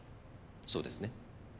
そうですね？